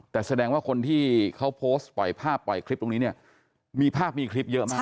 แต่แสดงว่าคนที่เขาโพสต์ปล่อยภาพปล่อยคลิปตรงนี้เนี่ยมีภาพมีคลิปเยอะมาก